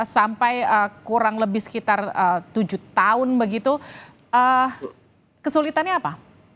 sampai kurang lebih sekitar tujuh tahun begitu kesulitannya apa